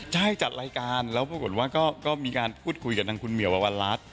ใช่จัดรายการแล้วปรากฏว่าก็มีการพูดคุยกับทางคุณเหมียวอวันรัฐ